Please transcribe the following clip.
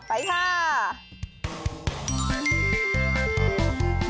ไปค่ะ